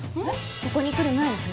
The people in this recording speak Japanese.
ここに来る前の話？